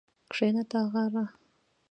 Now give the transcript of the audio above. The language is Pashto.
کښېنه تاغاره